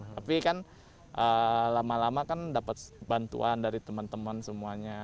tapi kan lama lama kan dapat bantuan dari teman teman semuanya